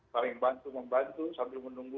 saling bantu membantu sambil menunggu